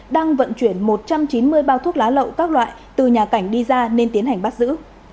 đang vận chuyển một trăm chín mươi bao thuốc lá lậu các loại từ nhà cảnh đi ra nên tiến hành bắt giữ